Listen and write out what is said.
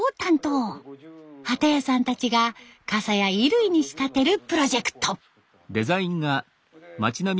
機屋さんたちが傘や衣類に仕立てるプロジェクト。